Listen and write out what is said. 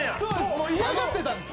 もう嫌がってたんです。